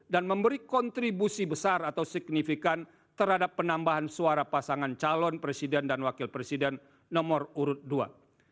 dan memberi kontribusi besar atau signifikan terhadap penambahan suara pasangan calon presiden dan wakil presiden nomor urut dua